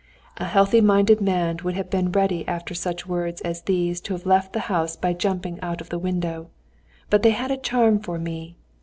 A healthy minded man would have been ready after such words as these to have left the house by jumping out of the window; but they had a charm for me.